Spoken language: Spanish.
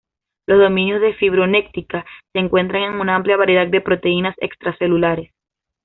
Los dominios de fibronectina se encuentran en una amplia variedad de proteínas extracelulares.